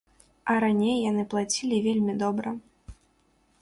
А раней яны плацілі вельмі добра.